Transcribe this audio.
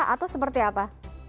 atau seperti apa